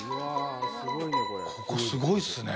ここ、すごいっすね。